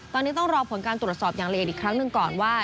ตอนนี้ต้องรอผลการตรวจสอบอย่างละเอียดอีกครั้งหนึ่งก่อนว่า